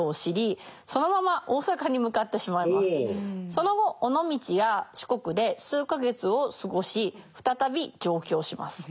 その後尾道や四国で数か月を過ごし再び上京します。